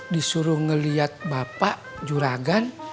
disuruh ngeliat bapak juragan